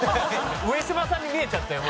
上島さんに見えちゃったよ